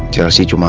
jelas sih cuma